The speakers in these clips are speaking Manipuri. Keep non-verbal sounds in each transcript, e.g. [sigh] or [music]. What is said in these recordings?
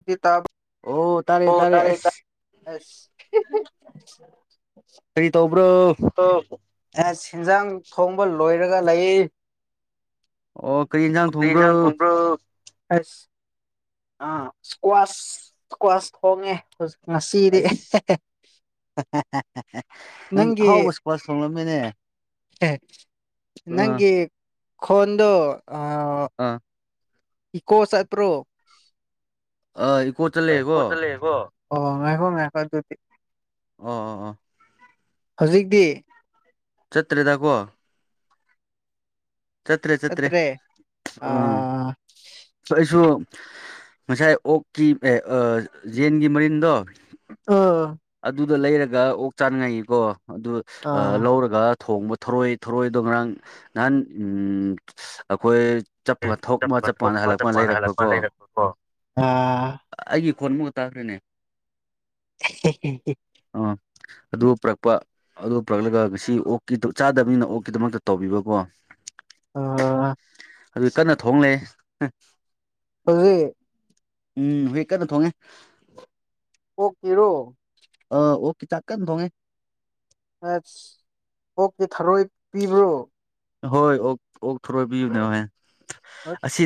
[unintelligible] ꯇꯥꯔꯦ [unintelligible] ꯑ꯭ꯁ ꯀꯔꯤ ꯇꯧꯕ꯭ꯔꯣ ꯑꯦ ꯑꯁ ꯍꯤꯟꯖꯥꯡ ꯊꯣꯡꯕ ꯂꯣꯏꯔꯒ ꯂꯩꯌꯦ ꯑꯣ ꯀꯔꯤ ꯏꯟꯖꯥꯡ ꯀꯩ ꯏꯤꯟꯖꯥꯡ ꯊꯣꯡꯕ꯭ꯔꯣ ꯑ ꯏꯁꯀ꯭ꯋꯥꯁ ꯏꯁꯀ꯭ꯋꯥꯁ ꯊꯣꯡꯉꯦ ꯉꯁꯤꯗꯤ ꯍꯥ ꯍꯥ ꯍꯥ ꯍꯥ ꯑꯦ ꯅꯪ ꯅꯪꯒꯤ ꯑꯍꯥꯎꯕ ꯏꯁꯀ꯭ꯋꯥꯁ ꯊꯣꯡꯂꯃꯦꯅꯦ ꯈꯣꯗꯣ ꯑꯥ ꯑ ꯏꯀꯣ ꯆꯠꯇ꯭ꯔꯣ ꯑꯥ ꯏꯀꯣ ꯏꯀꯣ ꯆꯠꯂꯦꯀꯣ ꯆꯠꯂꯦꯀꯣ ꯑꯣ ꯉꯥꯏꯈꯣ ꯉꯥꯏꯈꯣ ꯑꯗꯨꯗꯤ ꯑꯣ ꯑꯣ ꯑꯣ ꯍꯧꯖꯤꯛꯇꯤ ꯆꯠꯇ꯭ꯔꯦꯗ ꯀꯣ ꯆꯠꯇ꯭ꯔꯦ ꯆꯠꯇ꯭ꯔꯦ ꯑꯝ ꯑꯥ ꯑꯩꯁꯨ ꯉꯁꯥꯏ ꯑꯣꯛꯀꯤ ꯌꯦꯟꯒꯤ ꯃꯔꯤꯟꯗꯣ ꯑꯣ ꯑꯗꯨꯗ ꯂꯩꯔꯒ ꯑꯣꯛ ꯆꯥꯅꯤꯡꯉꯥꯏꯒꯤꯀꯣ ꯑꯗꯨ ꯑꯥ ꯂꯧꯔꯒ ꯊꯣꯡꯕ ꯊꯔꯣꯏ ꯊꯔꯣꯏꯗꯣ ꯉꯔꯥꯡ ꯅꯍꯥꯟ ꯑꯩꯈꯣꯏ ꯆꯠꯄꯒ ꯊꯣꯛꯃ ꯆꯠꯄꯒ ꯆꯠꯄ ꯀꯥꯟꯗ ꯊꯣꯛꯄ ꯆꯠꯄ ꯍꯜꯂꯛꯄꯅ ꯀꯥꯟꯗ ꯍꯜꯂꯛꯄ ꯂꯩꯔꯛꯄꯀꯣ ꯂꯩꯔꯛꯄꯀꯣ ꯑꯥ ꯑꯩꯒꯤ ꯈꯣꯟꯃꯨꯒ ꯇꯥꯈ꯭ꯔꯦꯅꯦ ꯍꯦ ꯍꯦ ꯍꯦ ꯍꯦ ꯑꯥ ꯑꯗꯨ ꯄꯨꯔꯛꯄ ꯑꯗꯨ ꯄꯨꯔꯛꯂꯒ ꯉꯁꯤ ꯑꯣꯛꯀꯤꯗꯨ ꯆꯥꯗꯕꯅꯤꯅ ꯑꯣꯛꯀꯤꯗꯃꯛꯇ ꯇꯧꯕꯤꯕꯀꯣ ꯑꯥ ꯑꯗꯨ ꯀꯟꯅ ꯊꯣꯡꯂꯦ ꯍꯧꯖꯤꯛ ꯎꯝ ꯍꯣꯏ ꯀꯟꯅ ꯊꯣꯡꯉꯦ ꯀꯣꯛ ꯀꯔꯣ ꯑ ꯑꯣ ꯆꯥꯛꯀ ꯊꯣꯉꯦ ꯑꯁ ꯑꯣꯣꯛꯀꯤ ꯊꯥꯔꯣꯏ ꯄꯤꯕ꯭ꯔꯣ ꯍꯣꯏ ꯑꯣ ꯑꯣꯛ ꯊꯣꯔꯣꯏꯕꯤꯌꯨꯅꯦ ꯍꯍ ꯑꯁꯤ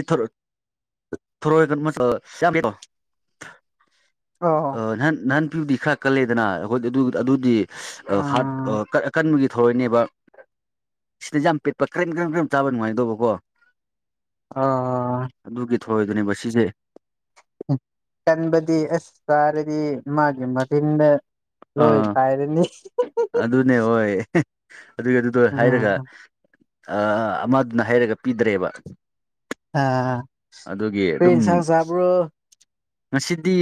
ꯊꯣꯔꯣꯏꯒ ꯑꯣ ꯅꯍꯥꯟ ꯅꯍꯥꯟ ꯄꯤꯕꯨꯗꯤ ꯈꯔ ꯀꯜꯂꯦꯗꯅ ꯑꯩꯈꯣꯏꯗꯤ ꯑꯗꯨꯗꯤ ꯎꯝ ꯍꯥꯠꯀꯟꯕꯒꯤ ꯊꯧꯔꯣꯏꯅꯦꯕ ꯁꯤꯗ ꯌꯥꯝ ꯄꯤꯠꯄ ꯀꯔꯝ ꯀꯝꯔꯝ ꯆꯥꯕ ꯅꯨꯡꯉꯥꯏꯗꯧꯕ ꯀꯣ ꯑ ꯑꯗꯨꯒꯤ ꯊꯏꯗꯨꯅꯦꯕ ꯁꯤꯁꯦ ꯎ ꯀꯟꯕꯗꯤ ꯑꯁ ꯇꯥꯔꯗꯤ ꯃꯥꯒꯤ ꯃꯔꯤꯤꯟꯗ ꯂꯣꯏ ꯑꯥ ꯀꯥꯏꯔꯅꯤ ꯑꯗꯨꯅꯦ ꯍꯣꯏ ꯑꯗꯨꯒꯤ ꯑꯗꯨꯗꯣ ꯍꯥꯏꯔꯒ ꯎꯝ ꯑꯃꯗꯨꯅ ꯍꯥꯏꯔꯒ ꯄꯤꯗ꯭ꯔꯦꯕ ꯑ ꯑꯗꯨꯒꯤ ꯑꯗꯨꯝ ꯄꯔꯤꯤꯟꯁꯪ ꯆꯕ꯭ꯔꯣ ꯉꯁꯤꯗꯤ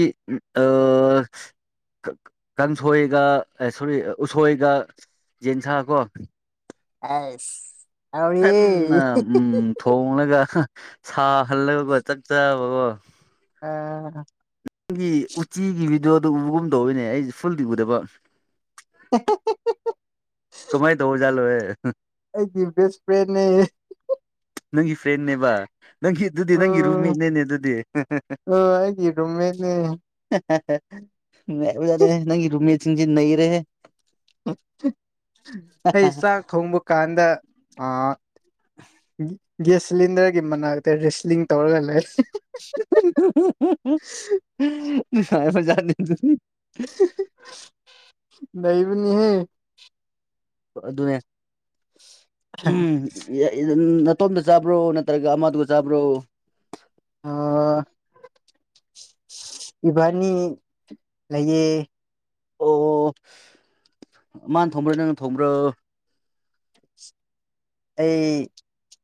ꯀꯥꯡꯁꯣꯏꯒ ꯁꯣꯔꯤ ꯎꯁꯣꯏꯒ ꯌꯦꯟꯁꯥ ꯀꯣ ꯑꯁ ꯑ ꯑꯦ ꯀꯟꯅ ꯎꯝ ꯊꯣꯡꯂꯒ ꯁꯥꯍꯜꯂꯒꯀꯣ ꯆꯥꯛ ꯆꯕꯀꯣ ꯑ [unintelligible] ꯑꯩꯒꯤ ꯎꯆꯤꯒꯤ ꯚꯤꯗꯤꯑꯣꯗꯣ ꯎꯕꯒꯨꯝꯗꯧꯔꯤꯅꯦ ꯑꯩꯁꯦ ꯐꯨꯜꯗꯤ ꯎꯗꯕ [unintelligible] ꯀꯣꯃꯥꯏ ꯇ ꯍꯧꯖꯂꯣ ꯑꯦ ꯑꯩꯗꯤ ꯦꯁ ꯐ꯭ꯔꯦꯟꯅꯦ ꯅꯪꯒꯤ ꯐ꯭ꯔꯦꯟꯅꯦꯕ ꯅꯪꯒꯤ ꯑꯗꯨꯗꯤ ꯅꯪꯒꯤ ꯎꯝ ꯔꯨꯝꯃꯤꯅꯦꯅꯦ ꯑꯗꯨꯗꯤ ꯑꯥ ꯑꯩꯒꯤ ꯔꯨꯝꯃꯦꯠꯅꯦ ꯕꯨ ꯌꯥ ꯅꯪꯒꯤ ꯔꯨꯃꯤꯁꯤꯡ ꯅ ꯔꯦ ꯑꯩ ꯆꯥꯛ ꯊꯣꯡꯕ ꯀꯥꯟꯗ ꯒ꯭ꯌꯥꯁ ꯁꯤꯂꯤꯟꯗꯔꯒꯤ ꯃꯅꯥꯛꯇ ꯔꯦꯁꯂꯤꯡ ꯇꯧꯔꯒ ꯂꯩ [unintelligible] ꯂꯩꯕꯤꯅꯤꯍ ꯑꯗꯨꯅꯦ ꯎ ꯅꯇꯣꯝꯗ ꯆꯥꯕ꯭ꯔꯣ ꯅꯠꯇ꯭ꯔꯒ ꯑꯃꯗꯨꯒ ꯆꯥꯕ꯭ꯔꯣ ꯏꯕꯥꯅꯤ ꯂꯩꯌꯦ ꯑꯣ ꯃꯥꯅ ꯊꯣꯡꯕ꯭ꯔꯥ ꯅꯪꯅ ꯊꯣꯡꯕ꯭ꯔꯣ ꯑꯩ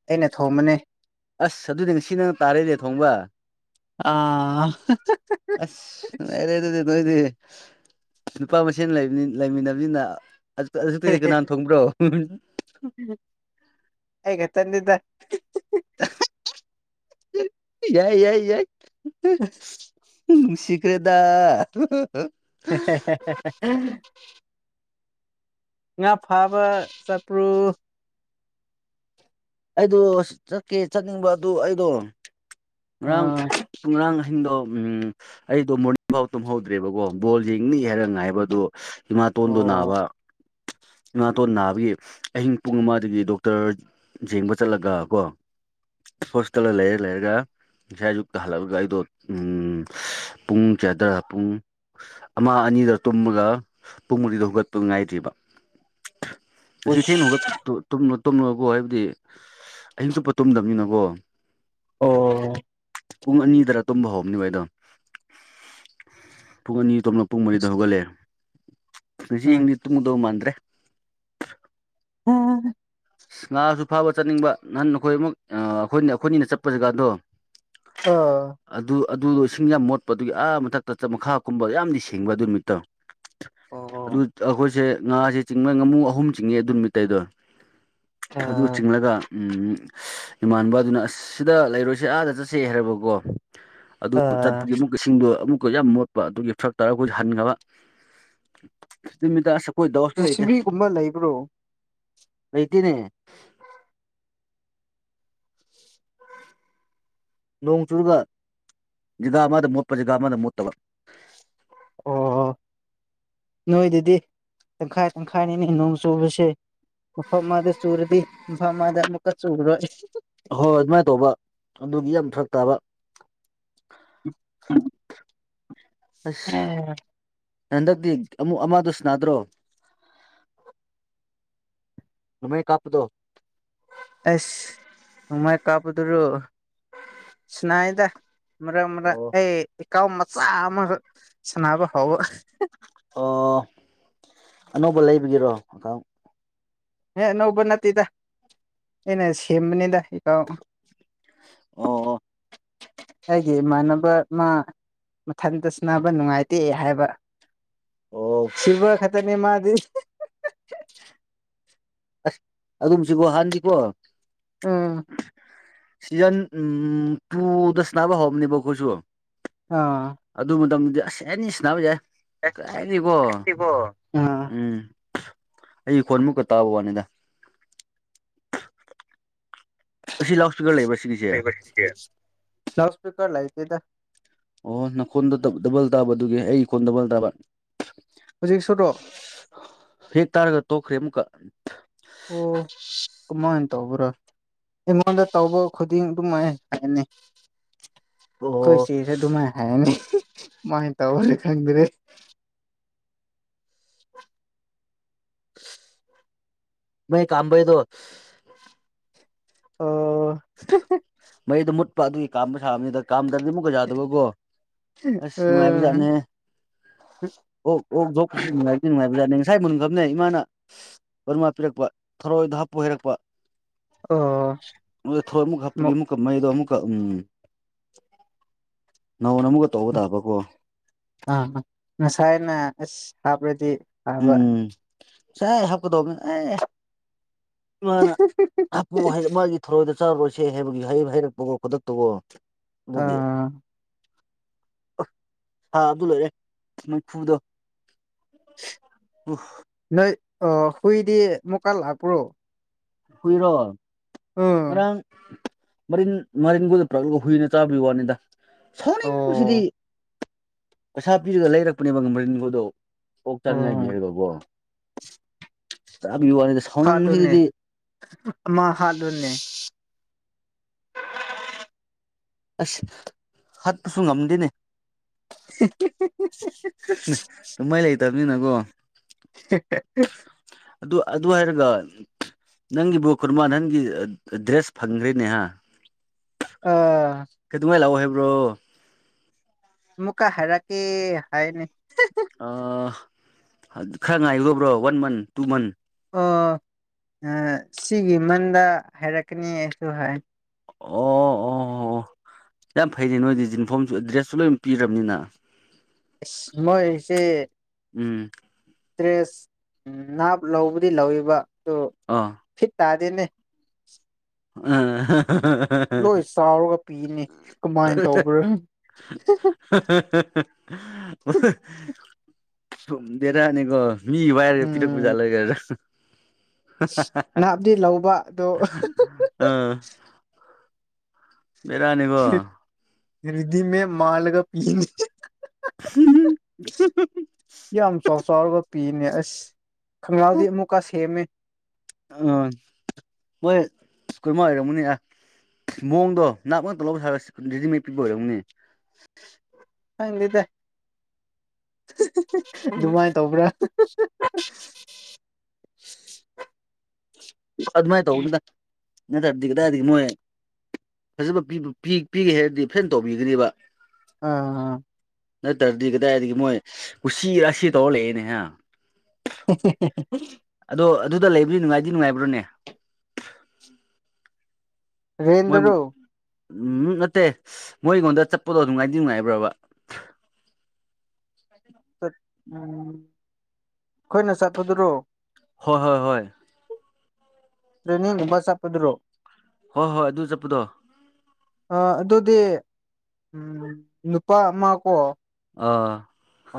ꯑꯩꯅ ꯊꯣꯝꯕꯅꯤ ꯑꯁ ꯑꯗꯨꯗꯤ ꯉꯁꯤ ꯅꯪꯅ ꯇꯥꯔꯛꯅꯦꯦ ꯊꯣꯡꯕ ꯑꯥ ꯑꯁ ꯅꯨꯡꯉꯥꯏꯔꯦ ꯑꯗꯨꯗꯤ ꯅꯣꯏꯗꯤ ꯅꯨꯄꯥ ꯃꯁꯦꯟ ꯂꯩꯅꯤ ꯂꯩꯃꯤꯟꯅꯕꯅꯤꯅ ꯑꯗꯨ ꯀꯩꯗ ꯀꯅꯥꯟ ꯊꯣꯡꯕ꯭ꯔꯣ ꯍꯒ ꯆꯟꯗ ꯌꯥꯏ ꯌꯥꯏ ꯌꯥꯏ ꯎꯁꯤꯈ꯭ꯔꯦꯗ [unintelligible] ꯉꯥ ꯐꯥꯕ ꯆꯄ꯭ꯔꯨ ꯑꯩꯗꯣ ꯆꯠꯀꯦ ꯆꯠꯅꯤꯡꯕ ꯑꯗꯨ ꯑꯩꯗꯣ ꯉꯔꯥꯡ ꯑꯥ ꯉꯔꯥꯡ ꯑꯍꯤꯡꯗꯣ ꯎꯝ ꯑꯩꯗꯣ ꯃꯣꯔꯅꯤꯡ ꯐꯥꯎ ꯇꯝꯍꯧꯗ꯭ꯔꯦꯕꯀꯣ ꯕꯣꯜ ꯌꯦꯡꯅꯤ ꯍꯥꯏꯔ ꯉꯥꯏꯕꯗꯣ ꯏꯤꯃꯥꯇꯣꯟꯗꯨꯣ ꯑꯣ ꯅꯥꯕ ꯏꯤꯃꯥꯇꯣꯟ ꯅꯥꯕꯒꯤ ꯑꯍꯤꯡ ꯄꯨꯡ ꯑꯃꯗꯒꯤ ꯗꯣꯛꯇꯔ ꯌꯦꯡꯕ ꯆꯠꯂꯒ ꯀꯣ ꯍꯣꯁꯄꯤꯇꯥꯜꯗ ꯂꯩꯔ ꯂꯩꯔꯒ ꯉꯁꯥꯏ ꯑꯌꯨꯛꯇ ꯍꯜꯂꯛꯑꯒ ꯑꯩꯗꯣ ꯄꯨꯡ ꯆꯌꯥꯗ꯭ꯔꯥ ꯄꯨꯡ ꯑꯃ ꯑꯅꯤꯗ ꯇꯨꯝꯃꯒ ꯄꯨꯡ ꯃꯔꯤꯗ ꯍꯧꯒꯠꯄ ꯉꯥꯏꯗ꯭ꯔꯤꯕ ꯁꯤꯁꯤ ꯎꯁ ꯊꯅꯒ ꯨꯝ ꯇꯨꯝꯂꯀꯣ ꯍꯥꯏꯕꯗꯤ ꯑꯍꯤꯡ ꯆꯨꯞꯄ ꯇꯨꯝꯗꯕꯅꯤꯅꯀꯣ ꯑꯣ ꯄꯨꯡ ꯑꯅꯤꯗꯔ ꯇꯨꯝꯕ ꯍꯧꯕꯅꯤꯕ ꯑꯩꯗꯣ ꯄꯨꯡ ꯑꯅꯤ ꯇꯣꯝꯅ ꯄꯨꯡ ꯃꯔꯤꯗ ꯍꯧꯒꯠꯂꯑꯦ ꯉꯁꯤ ꯎꯝ ꯍꯌꯦꯡꯗꯤ ꯇꯨꯡꯒꯗꯧ ꯃꯥꯟꯗ꯭ꯔꯦ ꯎꯝ ꯑ ꯉꯥꯁꯨ ꯐꯥꯕ ꯆꯠꯅꯤꯡꯕ ꯅꯍꯪ ꯑꯩꯈꯣꯏ ꯑꯃꯨꯛ ꯑꯩꯈꯣꯏꯅ ꯑꯩꯈꯣꯏꯅꯤꯅ ꯆꯠꯄꯁꯤꯀꯥꯟꯗꯣ ꯑꯣ ꯑꯗꯨ ꯑꯗꯨꯗꯣ ꯏꯁꯤꯡ ꯌꯥꯝ ꯃꯣꯠꯄ ꯑꯗꯨꯒꯤ ꯑꯥ ꯃꯊꯛꯇ ꯆꯠ ꯃꯈꯥꯒꯨꯝꯕ ꯌꯥꯝꯗꯤ ꯁꯦꯡꯕ ꯑꯗꯨ ꯅꯨꯃꯤꯠꯇꯧ ꯑꯗꯨ ꯑꯣ ꯑꯩꯈꯣꯏꯁꯦ ꯉꯥꯁꯦ ꯆꯤꯡꯕ ꯉꯥꯃꯨ ꯑꯍꯨꯝ ꯆꯤꯡꯉꯦ ꯑꯗꯨ ꯅꯨꯃꯤꯠꯠꯇꯇꯩꯗꯣ ꯑꯗꯨ ꯑꯥ ꯆꯤꯡꯂꯒ ꯎꯝ ꯏꯃꯅꯕꯗꯨꯅ ꯑꯁ ꯁꯤꯗ ꯂꯩꯔꯣꯏꯁꯦ ꯑꯥꯗ ꯆꯠꯁꯦ ꯍꯥꯏꯔꯕꯀꯣ ꯑꯗꯨ ꯑꯥ ꯆꯠꯄꯒꯤ ꯑꯃꯨꯛ ꯁꯤꯡꯗꯣ ꯑꯃꯨꯛꯀ ꯌꯥꯝ ꯃꯣꯠꯄ ꯑꯗꯨꯒꯤ ꯐꯔꯛ ꯇꯥꯔꯒ ꯑꯩꯈꯣꯏ ꯍꯟꯈꯕ ꯐꯤꯞꯇꯤꯃꯤꯇꯔ ꯆ ꯁꯤꯟꯕꯤꯒꯨꯝꯕ ꯂꯩꯕ꯭ꯔꯣ ꯑꯗꯨꯅꯦ ꯅꯣꯡ ꯆꯨꯔꯒ ꯖꯒꯥ ꯑꯃꯗ ꯃꯣꯠꯄ ꯖꯒꯥ ꯑꯃꯗ ꯃꯣꯠꯇꯕ ꯑꯣ ꯅꯣꯏꯗꯗꯤ ꯇꯪꯈꯥꯏ ꯇꯪꯈꯥꯏꯅꯤꯅꯦ ꯅꯣꯡ ꯆꯨꯕꯁꯦ ꯃꯐꯝ ꯃꯥꯗ ꯆꯨꯔꯗꯤ ꯃꯐꯝ ꯃꯥꯗ ꯑꯃꯨꯛꯀ ꯆꯨꯔꯣꯏ ꯍꯣꯏ ꯑꯗꯨꯃꯥꯏꯅ ꯇꯧꯕ ꯑꯗꯨꯒꯤ ꯌꯥꯝ ꯐꯔꯛ ꯇꯥꯕ [unintelligible] ꯑ ꯎꯝ ꯍꯟꯗꯛꯇꯤ ꯑꯃꯨꯛ ꯑꯃꯗꯨꯁꯨ ꯅꯥꯗ꯭ꯔꯣ ꯅꯃꯥꯏ ꯀꯥꯄꯗꯣ ꯑꯦꯁꯃꯥꯏ ꯀꯥꯄꯗꯨꯔꯣ ꯁꯅꯥꯥꯏꯗ ꯃꯔꯛ ꯃꯔꯛ ꯑꯣ ꯑꯩ ꯏꯀꯥꯎ ꯃꯆꯥ ꯑꯃꯈꯛ ꯁꯥꯟꯅꯕ ꯍꯥꯎꯕ ꯑꯣ ꯑꯅꯧꯕ ꯂꯩꯕꯒꯤꯔꯣ ꯑꯦꯦ ꯑꯅꯧꯕ ꯅꯠꯇꯦꯗ ꯑꯩꯅ ꯁꯦꯝꯕꯅꯤꯗ ꯏꯀꯥꯎ ꯑꯣ ꯑꯩꯒꯤ ꯏꯃꯥꯟꯅꯕ ꯃꯥ ꯃꯊꯟꯇ ꯁꯅꯕ ꯅꯨꯡꯉꯥꯏꯇꯦ ꯍꯥꯏꯕ ꯑꯣ ꯁꯤꯚꯔ ꯈ ꯇꯅꯦ ꯃꯥꯗꯤ ꯑꯁ ꯑꯗꯨꯝꯁꯤꯕꯣ ꯍꯥꯟꯅꯗꯤꯀꯣ ꯑꯝ ꯁꯤꯖꯟ ꯎꯝ ꯇꯨꯗ ꯁꯅꯕ ꯍꯧꯕꯅꯦꯕ ꯑꯩꯈꯣꯏꯁꯨ ꯑꯥ ꯑꯗꯨ ꯃꯇꯝꯗꯗꯤ ꯑꯁ ꯑꯦꯅꯤ ꯁꯥꯟꯅꯕ ꯌꯥꯏ ꯀꯔꯥꯏꯗꯩꯀꯣ ꯑꯥ ꯎꯝ ꯑꯩꯒꯤ ꯈꯣꯟꯃꯨꯛꯀ ꯇꯥꯕ ꯋꯥꯅꯤꯗ ꯑꯁꯤ ꯂꯧꯁ [unintelligible] ꯑꯣ ꯅꯈꯣꯟꯗꯣ ꯗꯕ ꯗꯕꯜ ꯇꯥꯕ ꯑꯗꯨꯒꯤ ꯑꯩ ꯈꯣꯟ ꯗꯕꯜ ꯇꯥꯕ ꯍꯧꯖꯤꯛꯁꯨꯔꯣ ꯍꯦꯛ ꯇꯥꯔꯒ ꯇꯣꯛꯈ꯭ꯔꯦ ꯑꯃꯨꯛꯀ ꯑꯣ ꯀꯃꯥꯏꯟ ꯇꯧꯕꯔꯥ ꯑꯩꯉꯣꯟꯗ ꯇꯧꯕ ꯈꯨꯗꯤꯡ ꯑꯗꯨꯃꯥꯏꯟ ꯍꯥꯏꯅꯤ ꯑꯈꯣꯏ ꯑꯣ ꯆꯦꯁꯨ ꯑꯗꯨꯃꯥꯏꯅ ꯍꯥꯏꯑꯅꯤ ꯃꯥꯏꯟ ꯇꯧꯔꯅꯤ ꯈꯪꯗꯔꯦ ꯃꯩ ꯀꯥꯝꯕꯩꯗꯣ ꯑꯣ ꯃꯩꯗꯣ ꯃꯨꯠꯄ ꯑꯗꯨꯒꯤ ꯀꯥꯝꯕ ꯁꯥꯕꯅꯦꯗ ꯀꯥꯝꯗ꯭ꯔꯗꯤ ꯃꯨꯛ ꯄꯨ ꯌꯥꯗꯕꯒꯣ ꯑꯁ ꯎꯝ ꯅꯨꯡꯉꯥꯏꯕꯖꯥꯠꯅꯦꯍꯦ ꯑꯣꯛ ꯑꯣꯛ ꯗꯣꯛꯄꯁꯤ ꯅꯨꯡꯉꯥꯏꯗꯤ ꯅꯨꯡꯉꯥꯏꯕꯖꯥꯠꯅꯦ ꯉꯁꯥꯏ ꯃꯨꯟꯒꯝꯅꯦ ꯏꯃꯥꯅ ꯋꯟꯋꯥ ꯄꯤꯔꯛꯄ ꯊꯔꯣꯏꯗꯣ ꯍꯥꯞꯄꯣ ꯍꯥꯏꯔꯛꯄ ꯑꯣ ꯊꯔꯣꯏ ꯑꯃꯨꯛꯀ ꯍꯥꯞꯄꯒꯤ ꯃꯨꯛ ꯑꯃꯨꯛꯀ ꯃꯩꯗꯣ ꯑꯃꯨꯛꯀ ꯎꯝ ꯅꯧꯅ ꯑꯃꯨꯛꯒ ꯇꯧꯕꯗꯥꯕꯒꯣ ꯑꯥ ꯉꯁꯥꯏꯅ ꯑꯁ ꯍꯥꯞꯔꯗꯤ ꯐꯕ ꯎꯝ ꯁꯥꯏ ꯍꯥꯞꯀꯗꯧꯕꯅꯦ ꯑꯥꯏ ꯏꯃꯥꯅ ꯍꯥꯞꯄꯨ ꯍꯥꯏꯔꯝꯃꯒꯤ ꯊꯔꯣꯏꯗꯣ ꯆꯥꯔꯣꯏꯁꯦ ꯍꯥꯏꯕꯒꯤ ꯍꯩꯔ ꯍꯩꯔꯛꯄ ꯒꯣꯕꯗꯣ ꯇꯧꯋꯣ ꯑ ꯑꯗꯨꯒꯤ ꯑ ꯁꯥꯕꯗꯨ ꯂꯣꯏꯔꯦ ꯃꯩꯐꯨꯗꯣ [unintelligible] ꯋꯨꯐ ꯅꯣꯏ ꯑ ꯍꯨꯏꯗꯤ ꯑꯃꯨꯝꯀꯥ ꯂꯥꯛꯄ꯭ꯔꯣ ꯍꯨꯏꯔꯣ ꯎꯝ ꯉꯔꯥꯡ ꯃꯔꯤꯟ ꯃꯔꯤꯟꯒꯗ ꯄꯨꯂꯛꯂꯣ ꯍꯨꯏꯅ ꯆꯥꯕꯩ ꯋꯥꯅꯤꯗ ꯁꯥꯎꯅꯤꯡꯕꯁꯤꯗꯤ ꯑꯣ ꯄꯩꯁꯥ ꯄꯤꯔꯒ ꯂꯩꯔꯛꯄꯅꯦꯕ ꯃꯥꯔꯤꯟ ꯒꯗꯣ ꯑꯣꯛ ꯆꯥꯟꯅꯉꯥꯏꯒꯤ ꯎꯝ ꯍꯥꯏꯕꯒꯣ ꯆꯥꯕꯤ ꯋꯥꯅꯤꯗ ꯁꯥ ꯍꯥꯠꯂꯨꯅꯦ ꯑꯃ ꯍꯥꯠꯂꯨꯅꯦ [unintelligible] ꯑꯁ ꯍꯥꯠꯄꯁꯨ ꯉꯝꯗꯦꯅꯦ ꯇꯣꯃꯩ ꯂꯩꯇꯕꯅꯤꯅꯒꯣ [unintelligible] ꯑꯗꯨ ꯑꯗꯨ ꯍꯥꯏꯔꯒ ꯅꯪꯒꯤꯕꯨ ꯈꯨꯔꯨꯃꯥꯟ ꯍꯟꯒꯤ ꯑ ꯑ ꯗ꯭ꯔꯦꯁ ꯐꯪꯗꯔꯦꯅꯦ ꯍꯥ ꯑꯥ ꯀꯩꯗꯧꯉꯥꯏ ꯂꯥꯛꯑꯣ ꯍꯥꯏꯕ꯭ꯔꯣ ꯃꯨꯀꯥ ꯍꯥꯏꯔꯛꯀꯦ ꯍꯥꯏꯅꯦ ꯍꯦꯍꯦ ꯑꯣ ꯈꯔ ꯉꯥꯏꯌꯨꯗꯕ꯭ꯔꯣ ꯋꯥꯟ ꯃꯟ ꯇꯨ ꯃꯟ ꯑꯣ ꯑ ꯁꯤꯒꯤ ꯃꯟꯗ ꯍꯥꯏꯔꯛꯀꯅꯤ ꯑꯩꯁꯨ ꯍꯥꯏ ꯑꯣ ꯑꯣ ꯑꯣ ꯌꯥꯝ ꯐꯩꯅꯦ ꯅꯣꯏꯗꯤ ꯖꯤꯟꯐꯣꯝꯁꯨ ꯑ ꯗ꯭ꯔꯦꯁꯁꯨ ꯂꯣꯏꯝ ꯄꯤꯔꯝꯅꯤꯅ ꯑꯩꯁ ꯃꯣꯏꯁꯦ ꯎꯝ ꯗ꯭ꯔꯦꯁ ꯎꯝ ꯅꯥꯞ ꯂꯧꯕꯗꯤ ꯂꯧꯋꯦꯕ ꯑꯗꯨ ꯑꯥ ꯐꯤꯠ ꯇꯥꯗꯦꯅꯦ ꯑ ꯍ ꯍ ꯍ ꯍꯍꯍ ꯂꯣꯏ ꯆꯥꯎꯔꯒ ꯄꯤꯅꯤ [inaudible] ꯀꯃꯥꯏꯅ ꯍ ꯇꯧꯕ꯭ꯔꯥ ꯍ ꯍ ꯍ ꯋꯍ ꯑꯁꯊꯨꯝꯗꯦꯗ ꯅꯤꯒꯣ ꯃꯤꯏ ꯋꯥꯏꯔ ꯄꯤꯔꯛꯄ ꯎꯝ ꯖꯥꯠꯂꯒ ꯅꯥꯞꯗꯤ ꯂꯧꯕ ꯑꯗꯣ ꯑꯥ ꯕꯤꯔꯌꯥꯅꯤꯒꯣ ꯔꯦꯗꯤ ꯃꯦ ꯃꯥꯜꯂꯒ ꯄꯤꯅꯤ ꯌꯥꯝ ꯆꯥꯎ ꯆꯥꯎꯔꯒꯞ ꯄꯤꯕꯅꯦ ꯑꯁ ꯈꯪꯅꯥꯎꯗꯤ ꯑꯃꯨꯛꯀ ꯁꯦꯝꯃꯦ ꯑ ꯃꯣꯏ ꯁꯀꯨꯜꯃ ꯍꯥꯏꯔꯝꯨꯅꯤ ꯌꯥ ꯃꯑꯣꯡꯗꯣ ꯅꯥꯛ ꯉꯛꯇ ꯂꯧꯕ ꯁꯥꯔꯒ ꯔꯦꯗꯤꯃꯦꯗ ꯄꯤꯕ ꯑꯣꯏꯔꯝꯅꯦ ꯈꯪꯗꯦꯗ ꯑꯗꯨꯃꯥꯏꯅ ꯇꯧꯕ꯭ꯔꯥ ꯇ ꯑꯗꯨꯃꯥꯏꯅ ꯇꯧꯕꯅꯤꯗ ꯅꯠꯇꯔꯗꯤ ꯀꯗꯥꯏꯗꯒꯤ ꯃꯣꯏ ꯐꯖꯕ ꯄꯤꯒꯦ ꯍꯥꯏꯔꯗꯤ ꯐꯦꯟ ꯇꯧꯕꯤꯒꯅꯦꯕ ꯑꯥ ꯅꯠꯇ꯭ꯔꯗꯤ ꯀꯗꯥꯏꯗꯒꯤ ꯃꯣꯏ ꯀꯨꯁꯤ ꯔꯥꯁꯤ ꯇꯧꯔ ꯂꯩꯏꯅꯦꯍ [unintelligible] ꯑꯗꯣ ꯑꯗꯨꯗ ꯂꯩꯕꯗꯤ ꯅꯨꯡꯉꯥꯏꯗꯤ ꯅꯨꯡꯉꯥꯏꯕ꯭ꯔꯣꯅꯦ ꯃꯣꯏ ꯎꯝ ꯔꯦꯟꯗꯔꯣ ꯅꯠꯇꯦ ꯃꯣꯏ ꯑꯩꯉꯣꯟꯗ ꯆꯠꯄꯗꯣ ꯑꯗꯨ ꯉꯥꯏꯗꯤ ꯅꯨꯡꯉꯥꯏꯕ꯭ꯔꯕ ꯎꯝ ꯑꯩꯈꯣꯏꯅ ꯆꯠꯄꯗꯨꯔꯣ ꯍꯣꯏ ꯍꯣꯏ ꯍꯣꯏ ꯇ꯭ꯔꯤꯅꯤꯕꯁꯄꯗꯣ ꯍꯣꯏ ꯍꯣꯏ ꯑꯗꯨ ꯆꯠꯄꯗꯣ ꯑ ꯑꯗꯨꯗꯤ ꯎꯝ ꯅꯨꯄꯥ ꯑꯃ ꯀꯣ ꯑꯥ ꯑ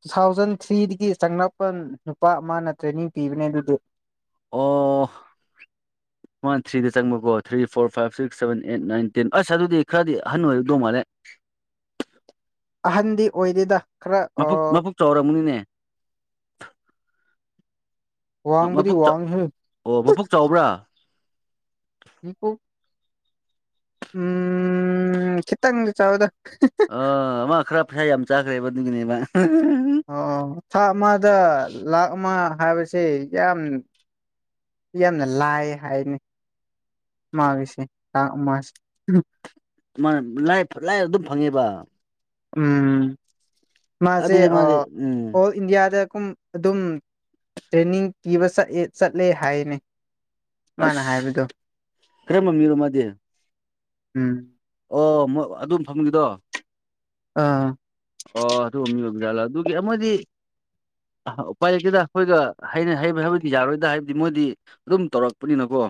ꯇꯨ ꯊꯥꯎꯖꯟ ꯊ꯭ꯔꯤꯗꯒꯤ ꯆꯉꯄꯜ ꯅꯨꯄꯥ ꯑꯃꯅ ꯇ꯭ꯔꯦꯅꯤꯡ ꯄꯤꯕꯅꯦ ꯑꯗꯨꯗꯤ ꯑꯣ [unintelligible] ꯃꯥ ꯊ꯭ꯔꯤꯗ ꯆꯪꯕꯀꯣ three four five six seven eight nine ten ꯑꯁ ꯑꯗꯨꯗꯤ ꯈꯔꯗꯤ ꯑꯟ ꯑꯣꯏꯔꯗꯧ ꯃꯥꯜꯂꯦ ꯑꯍꯟꯗꯤ ꯑꯣꯏꯔꯤꯦꯗ ꯃꯄꯛ ꯃꯄꯨꯛ ꯆꯥꯎꯔꯃꯅꯤꯅꯦ ꯃ ꯋꯥꯡꯕꯨꯗꯤ ꯋꯥꯡꯉꯦꯍꯦ ꯑꯣ ꯃꯕꯨꯛ ꯆꯥꯎꯕ꯭ꯔꯥ ꯏꯀꯣ ꯎꯝ ꯈꯤꯇꯪꯗꯤ ꯆꯥꯎꯕꯗ ꯑ ꯑꯃ ꯈꯔ ꯄꯩꯁꯥ ꯌꯥꯝ ꯆꯥꯈ꯭ꯔꯦꯕ ꯑꯗꯨꯒꯤꯅꯦꯕ ꯑꯣ ꯊꯥ ꯑꯃꯗ ꯂꯥꯥꯛ ꯑꯃ ꯍꯥꯏꯕꯁꯦ ꯌꯥꯝ ꯌꯥꯝꯅ ꯂꯥꯏ ꯍꯥꯏꯅꯤ ꯃꯥꯒꯤꯁꯦ ꯇꯥꯡ ꯑꯃ ꯅ ꯂꯥꯏ ꯂꯥꯏꯔ ꯑꯗꯨꯝ ꯐꯪꯉꯦꯕ ꯎꯝ ꯃꯥꯁꯦ ꯑꯗꯨꯗꯤ ꯃꯥꯗꯤ ꯎꯝ ꯑꯣ ꯏꯟꯗꯤꯌꯥꯗ ꯀꯨꯝ ꯑꯗꯨꯝ ꯇ꯭ꯔꯦꯅꯤꯡ ꯄꯤꯕ ꯆꯑꯦ ꯆꯠꯂꯦ ꯍꯥꯏꯅ ꯃꯥꯅ ꯑꯁ ꯍꯥꯏꯕꯗꯣ ꯀꯔꯝꯕ ꯃꯤꯔꯣ ꯃꯥꯗꯤ ꯎꯝ ꯑꯣ ꯃꯣꯏ ꯑꯗꯨꯝ ꯐꯪꯈꯤꯗꯣ ꯑꯥ ꯑꯣ ꯑꯗꯨ ꯑꯃ ꯌꯕꯔꯥꯠꯂ ꯑꯗꯨꯒꯤ ꯑꯃꯗꯤꯗꯤ ꯑ ꯎꯄꯥꯏ ꯂꯩꯛꯇꯦꯗ ꯑꯩꯈꯣꯏꯒꯩꯅ ꯍꯩꯕ ꯍꯥꯏꯕꯗꯤ ꯌꯥꯔꯣꯏꯗ ꯍꯥꯏꯕꯗꯤ ꯃꯣꯏꯗꯤ ꯑꯗꯨꯝ ꯇꯧꯔꯛꯄꯅꯤꯅꯀꯣ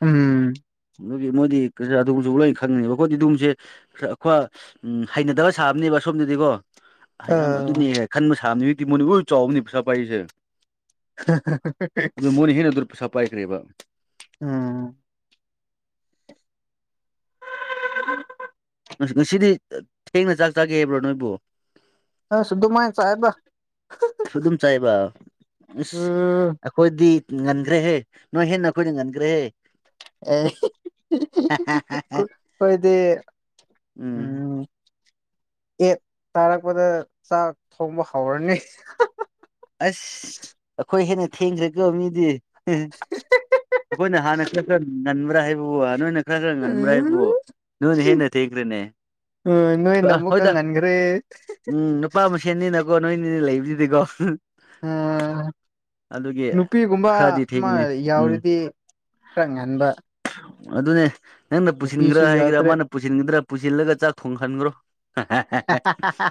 ꯎꯝ ꯑꯗꯨꯒꯤ ꯃꯣꯏꯗꯤ ꯑꯗꯨꯒꯕꯁꯨ ꯂꯣꯏ ꯈꯪꯅꯤꯡꯅꯦꯕ ꯑꯩꯈꯣꯏꯗꯤ ꯑꯗꯨꯒꯕꯁꯦ ꯑꯩꯈꯣꯏ ꯎ ꯍꯩꯅꯗꯕ ꯁꯥꯕꯅꯦꯕ ꯑꯁꯣꯝꯗꯗꯤꯀꯣ ꯌꯥꯝ ꯑꯥ ꯑꯗꯨꯅꯤ ꯈꯟꯕ ꯁꯥꯕꯅꯤ ꯍꯧꯖꯤꯛꯇꯤ ꯃꯅꯤꯕꯨ ꯆꯥꯎꯕꯅꯤ ꯄꯩꯁꯥ ꯄꯥꯏꯔꯤꯁꯦ ꯑꯗꯨ ꯃꯣꯏꯅ ꯍꯦꯟꯅ ꯑꯗꯨ ꯄꯩꯁꯥ ꯄꯥꯏꯈ꯭ꯔꯦꯕ ꯎꯝ ꯉꯁꯤꯗꯤ ꯊꯦꯡꯅ ꯆꯥꯛ ꯆꯥꯒꯦ ꯍꯥꯏꯕ꯭ꯔꯣ ꯅꯣꯏꯕꯨ ꯑꯁꯨꯗꯣ ꯃꯥꯏ ꯆꯦꯕ ꯑꯗꯨꯝ ꯆꯥꯏꯕ ꯎꯝ ꯑꯩꯈꯣꯏꯗꯤ ꯉꯟꯈ꯭ꯔꯦꯍꯦ ꯅꯣꯏ ꯍꯦꯟꯅ ꯑꯩꯈꯣꯏꯅ ꯉꯟꯈ꯭ꯔꯦꯍꯦ ꯑꯦ ꯑꯩꯣꯏꯗꯤ ꯎꯝ ꯑꯦꯠ ꯇꯥꯔꯛꯄꯗ ꯆꯥꯛ ꯊꯣꯡꯕ ꯍꯧꯔꯅꯤ ꯑꯁ ꯑꯩꯈꯣꯏ ꯍꯦꯟꯅ ꯊꯦꯡꯈ꯭ꯔꯀꯣ ꯃꯤꯗꯤ ꯑꯩꯈꯣꯏꯅ ꯍꯥꯟꯅ ꯈꯔ ꯈꯔ ꯉ ꯅꯟꯕ꯭ꯔꯥ ꯍꯥꯏꯕꯕꯨ ꯅꯣꯏꯅ ꯈꯖ ꯉꯟꯕ꯭ꯔ ꯏꯕꯨ ꯎꯝ ꯅꯣꯏꯅ ꯍꯦꯟꯅ ꯊꯦꯡꯈ꯭ꯔꯦꯅꯦ ꯎꯝ ꯅꯣꯏꯟ ꯇꯃꯨ ꯀꯪ ꯍꯣꯏꯗ ꯉꯟꯈ꯭ꯔꯦ ꯎꯝ ꯅꯨꯄꯥ ꯃꯁꯦꯟꯅꯤꯅꯀꯣ ꯅꯣꯏꯅꯤꯅ ꯂꯩꯗꯨꯗꯤꯀꯣ ꯑꯣꯝ ꯅꯨꯄꯤꯒꯨꯝꯕ ꯈꯔꯗꯤ ꯑꯃ ꯊꯦꯡꯕꯅꯦ ꯎꯝ ꯌꯥꯎꯔꯤꯗꯤ ꯈꯔ ꯉꯟꯕ ꯑꯗꯨꯅꯦ ꯅꯪꯅ ꯄꯨꯁꯤꯟꯈ꯭ꯔꯥ ꯅꯨꯄꯤꯁꯨ ꯍꯥꯏꯈ꯭ꯔꯥ ꯌꯥꯎꯗ꯭ꯔꯦ ꯃꯥꯅ ꯄꯨꯁꯤꯟꯒꯗ꯭ꯔꯥ ꯄꯨꯁꯤꯜꯂꯒ ꯆꯥꯛ ꯊꯣꯡꯍꯟꯈ꯭ꯔꯣ [unintelligible]